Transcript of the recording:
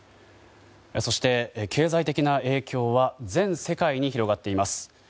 そして経済的な影響は全世界に広がっています。